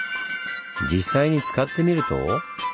実際に使ってみると。